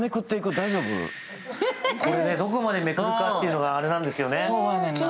これね、どこまでめくるかというのがあれなんですよね。